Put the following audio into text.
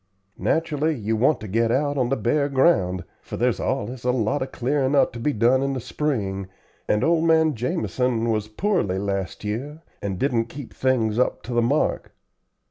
Nat'rally you want to get out on the bare ground, for there's allus a lot of clearin' up to be done in the spring and old man Jamison was poorly last year and didn't keep things up to the mark."